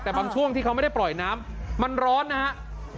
แต่บางช่วงที่เขาไม่ได้ปล่อยน้ำมันร้อนนะครับ